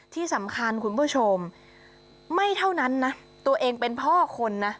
ที่สำคัญคุณผู้ชมไม่เท่านั้นนะตัวเองเป็นพ่อคนนะ